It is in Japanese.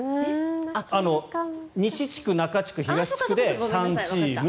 西地区、中地区、東地区で３チーム。